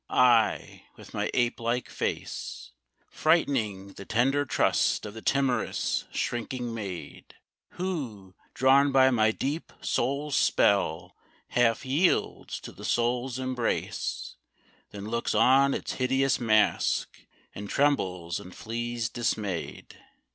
I, with my ape like face, Frighting the tender trust of the timorous, shrinking maid, Who, drawn by my deep soul's spell, half yields to the soul's embrace Then looks on its hideous mask and trembles and flees dismayed.